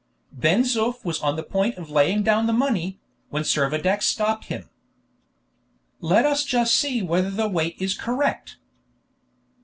Ben Zoof was on the point of laying down the money, when Servadac stopped him. "Let us just see whether the weight is correct."